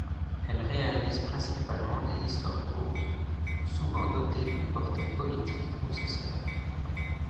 Elle réalise principalement des histoires courtes, souvent dotées d'une portée politique ou sociale.